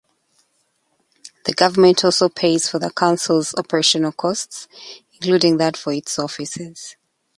The government also pays for the councils' operational costs, including that for its offices.